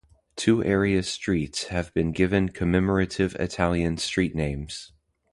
Two area streets have been given commemorative Italian street names.